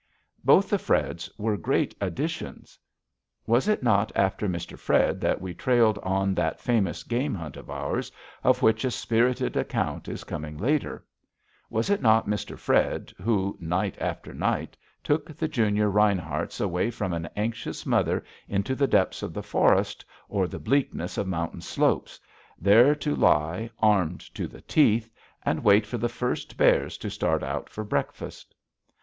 Both the Freds were great additions. Was it not after Mr. Fred that we trailed on that famous game hunt of ours, of which a spirited account is coming later? Was it not Mr. Fred who, night after night, took the junior Rineharts away from an anxious mother into the depths of the forest or the bleakness of mountain slopes, there to lie, armed to the teeth, and wait for the first bears to start out for breakfast?